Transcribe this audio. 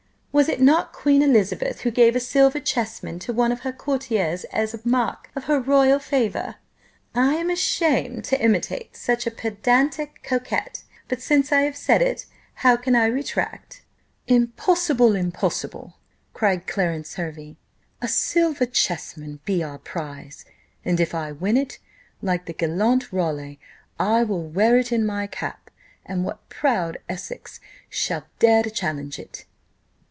Was it not Queen Elizabeth who gave a silver chess man to one of her courtiers as a mark of her royal favour? I am ashamed to imitate such a pedantic coquet but since I have said it, how can I retract?" "Impossible! impossible!" cried Clarence Hervey: "a silver chess man be our prize; and if I win it, like the gallant Raleigh, I will wear it in my cap; and what proud Essex shall dare to challenge it?"